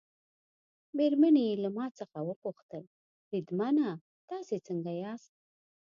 مېرمنې یې له ما څخه وپوښتل: بریدمنه تاسي څنګه یاست؟